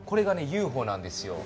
ＵＦＯなんですよ。